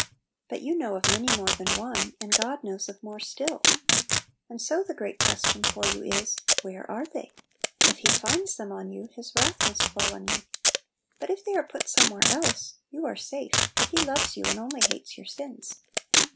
But you know of many more than one; and God knows of more stilL And so the great question for you is, Where are they? If He finds them on you, His wrath must fall on you. But if they are put (somewhere else, you are safe, for He loves you, and only hates your sins.